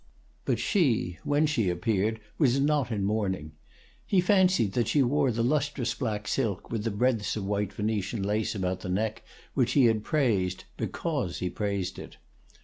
But she, when she appeared, was not in mourning. He fancied that she wore the lustrous black silk, with the breadths of white Venetian lace about the neck which he had praised, because he praised it.